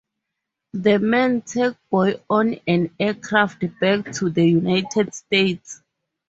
The men take Boy on an aircraft back to the United States.